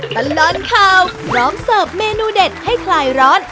ตลอดข่าวพร้อมเสิร์ฟเมนูเด็ดให้คลายร้อน